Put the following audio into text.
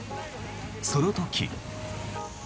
その時。